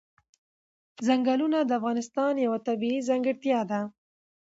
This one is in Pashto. ځنګلونه د افغانستان یوه طبیعي ځانګړتیا ده.